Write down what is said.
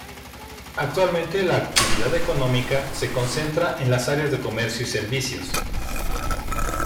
Actualmente la actividad económica se concentra en las áreas de comercio y servicios.